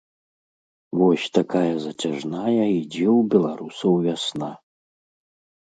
Вось такая зацяжная ідзе ў беларусаў вясна.